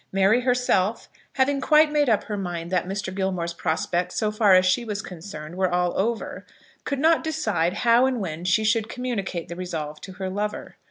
Mary herself, having quite made up her mind that Mr. Gilmore's prospects, so far as she was concerned, were all over, could not decide how and when she should communicate the resolve to her lover.